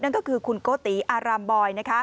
นั่นก็คือคุณโกติอารามบอย